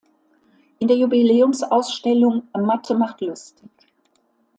In der Jubiläumsausstellung "Mathe macht lustig!